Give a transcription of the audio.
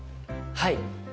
はい！